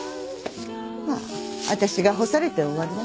まあ私が干されて終わりだね。